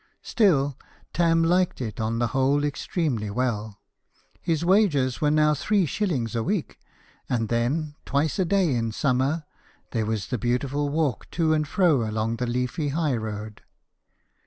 Still, Tarn liked it on the whole extremely well. His wages were now three shillings a week ; and then, twice a day in summer, there was the beautiful walk to and fro along the leafy high road.